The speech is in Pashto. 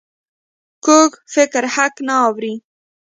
کوږ فکر حق نه اوري